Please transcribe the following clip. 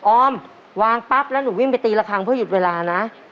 ออมวางปั๊บแล้วหนูวิ่งไปตีละครั้งเพื่อหยุดเวลานะ